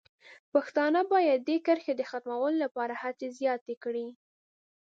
پښتانه باید د دې کرښې د ختمولو لپاره هڅې زیاتې کړي.